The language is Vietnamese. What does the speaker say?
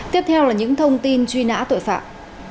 tiếp theo là những thông tin truy nã tội phạm